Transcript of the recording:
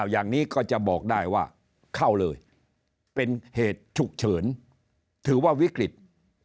อย่างนี้ก็จะบอกได้ว่าเข้าเลยเป็นเหตุฉุกเฉินถือว่าวิกฤต